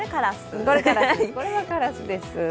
これはカラスです。